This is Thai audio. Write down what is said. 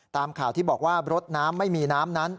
ตามข่าวที่บอกว่ารถน้ำไม่มีน้ำนั้น